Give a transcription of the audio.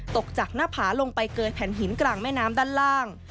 ตกจากหน้าผาลงไปเกยแผ่นหินกลางแม่น้ำด้านล่าง